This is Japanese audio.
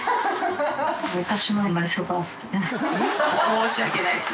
申し訳ないです。